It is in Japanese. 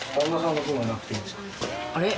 「あれ？」